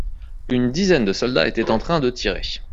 Une dizaine de soldats était en train de tirer.